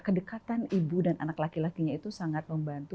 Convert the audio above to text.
kedekatan ibu dan anak laki lakinya itu sangat membantu